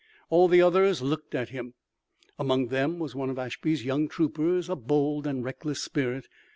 All the others looked at him. Among them was one of Ashby's young troopers, a bold and reckless spirit.